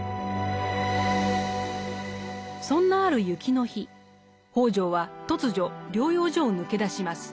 そんなある雪の日北條は突如療養所を抜け出します。